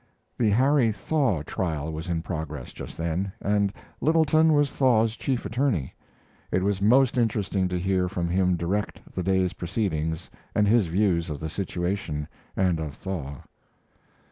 The Harry Thaw trial was in progress just then, and Littleton was Thaw's chief attorney. It was most interesting to hear from him direct the day's proceedings and his views of the situation and of Thaw.